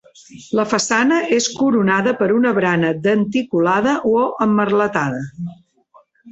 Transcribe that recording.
La façana és coronada per una barana denticulada o emmerletada.